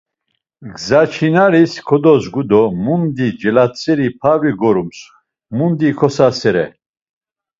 Gza çinaris kodozgu do mundi celatzeri pavri gorums, mundi ikosasere.